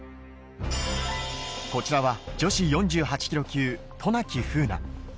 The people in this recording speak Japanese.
こちらは、女子４８キロ級、渡名喜風南。